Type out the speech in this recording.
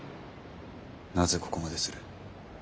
なぜここまでする？